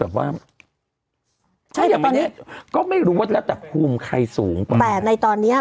แบบว่าใช่อย่างปีนี้ก็ไม่รู้ว่าแล้วแต่ภูมิใครสูงกว่าแต่ในตอนเนี้ย